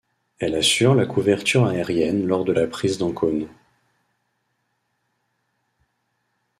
Elle assure la couverture aérienne lors de la prise d'Ancône.